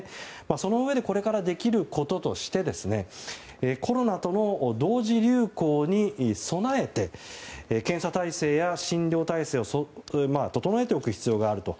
そのうえでこれからできることとしてコロナとの同時流行に備えて検査体制や診療体制を整えておく必要があると。